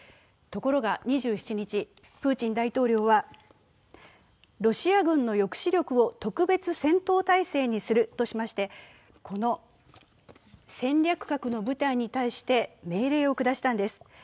ところが２７日、プーチン大統領はロシア軍の抑止力を特別戦闘態勢にするとしまして、この戦略核の部隊に対して命令を下したんです。